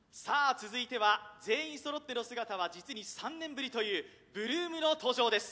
続いては全員揃っての姿は実に３年ぶりという８ＬＯＯＭの登場です